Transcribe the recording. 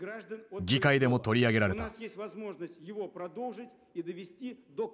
議会でも取り上げられた。